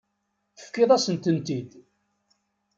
Tefkiḍ-asent-tent-id.